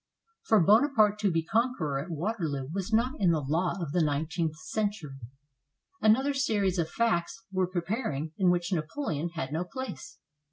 For Bonaparte to be conqueror at Waterloo was not in the law of the nineteenth century. Another series of facts were preparing in which Napoleon had no place.